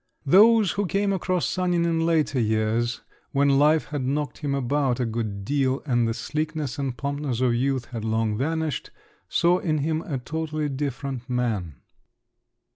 Those who came across Sanin in later years, when life had knocked him about a good deal, and the sleekness and plumpness of youth had long vanished, saw in him a totally different man.